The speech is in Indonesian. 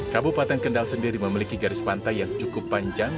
kabupaten kendal sendiri memiliki garis pantai yang cukup panjang